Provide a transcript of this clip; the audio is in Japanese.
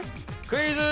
クイズ。